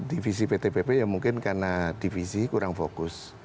divisi pt pp ya mungkin karena divisi kurang fokus